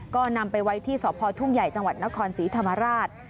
ก็นำไปไว้ที่สพทุ่งใหญ่จังหวัดนครศรีธรรมราช